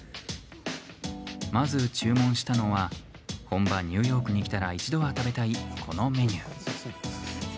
まず注文したのは本場ニューヨークに来たら一度は食べたい、このメニュー。